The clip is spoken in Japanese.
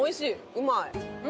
うまい！